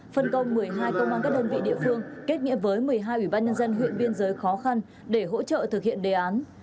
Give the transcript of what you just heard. phân công một mươi hai công an các đơn vị địa phương kết nghĩa với một mươi hai ủy ban nhân dân huyện biên giới khó khăn để hỗ trợ thực hiện đề án